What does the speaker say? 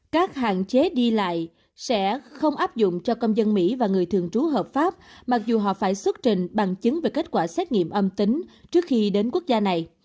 các hạn chế đi lại sẽ không áp dụng cho công dân mỹ và người thường trú hợp pháp mặc dù họ phải xuất trình bằng chứng về kết quả xét nghiệm âm tính trước khi đến quốc gia này